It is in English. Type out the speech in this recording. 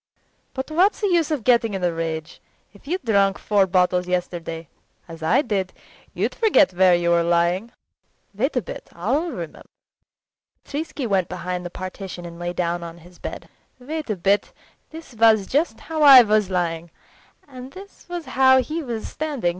But what's the use of getting in a rage. If you'd drunk four bottles yesterday as I did you'd forget where you were lying. Wait a bit, I'll remember!" Petritsky went behind the partition and lay down on his bed. "Wait a bit! This was how I was lying, and this was how he was standing.